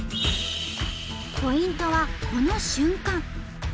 ポイントはこの瞬間。